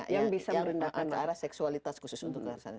yang ke arah seksualitas khusus untuk kekerasan